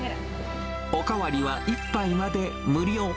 お代わりは１杯まで無料。